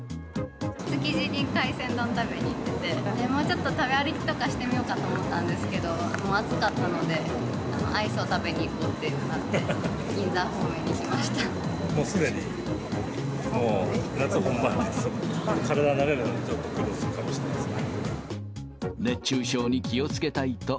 築地に海鮮丼食べに行ってて、もうちょっと食べ歩きとかしてみようかと思ったんですけど、暑かったので、アイスを食べに行くっていう感じで、銀座に来ましもうすでに夏本番、体が慣れるのにちょっと苦労するかもしれないですね。